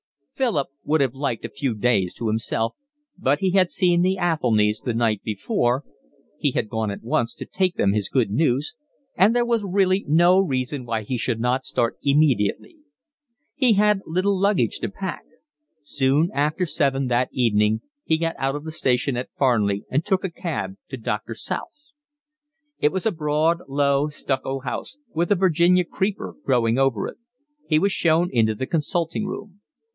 Philip would have liked a few days to himself; but he had seen the Athelnys the night before (he had gone at once to take them his good news) and there was really no reason why he should not start immediately. He had little luggage to pack. Soon after seven that evening he got out of the station at Farnley and took a cab to Doctor South's. It was a broad low stucco house, with a Virginia creeper growing over it. He was shown into the consulting room.